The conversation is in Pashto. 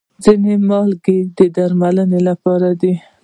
ځینې مالګې د درملنې لپاره دي.